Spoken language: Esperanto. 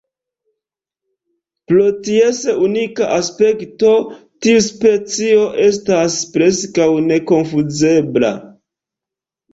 Pro ties unika aspekto, tiu specio estas preskaŭ nekonfuzebla.